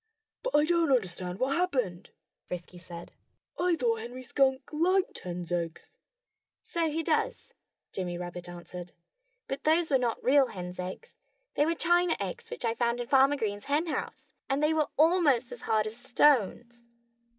"But I don't understand what happened," Frisky said. "I thought Henry Skunk liked hens' eggs." "So he does!" Jimmy Rabbit answered. "But those were not real hens' eggs. They were china eggs which I found in Farmer Green's henhouse. And they were almost as hard as stones."